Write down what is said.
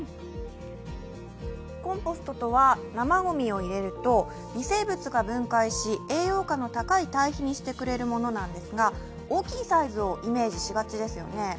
コンポストとは、生ごみを入れると微生物が分解し、栄養価の高い堆肥にしてくれるものなんですが、大きいサイズをイメージしがちですよね。